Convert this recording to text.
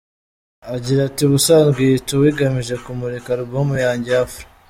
Agira ati “Ubusanzwe iyi ‘Tour’ igamije kumurika alubumu yanjye “Afro”.